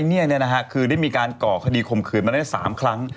นี่คือได้มีการก่อคดีข่มขืนมาได้๓ครั้ง